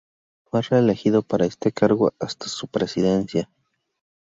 Fue reelegido para ese cargo hasta su presidencia.